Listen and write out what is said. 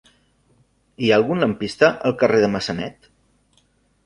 Hi ha algun lampista al carrer de Massanet?